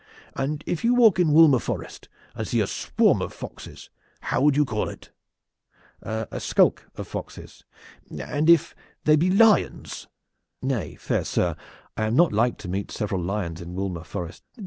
And if you walk in Woolmer Forest and see a swarm of foxes, how would you call it?" "A skulk of foxes." "And if they be lions?" "Nay, fair sir, I am not like to meet several lions in Woolmer Forest."